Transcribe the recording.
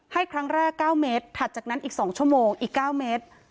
ให้ครั้งแรก๙เมตรถัดจากนั้นอีก๒ชั่วโมงอีก๙เมตร